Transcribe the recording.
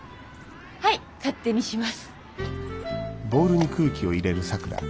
はい勝手にします。